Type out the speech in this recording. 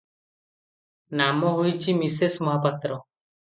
ନାମ ହୋଇଛି, ମିସେସ୍ ମହାପାତ୍ର ।